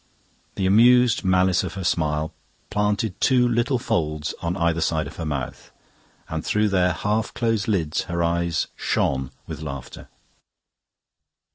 The amused malice of her smile planted two little folds on either side of her mouth, and through their half closed lids her eyes shone with laughter.